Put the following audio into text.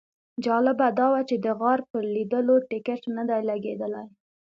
جالبه دا وه چې د غار پر لیدلو ټیکټ نه دی لګېدلی.